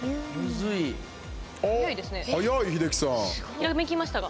ひらめきましたか？